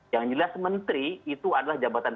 yang jelas menteri itu adalah jabatan